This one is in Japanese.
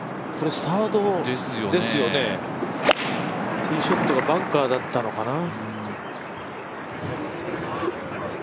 これサードですよね、ティーショットがバンカー立ったのかな。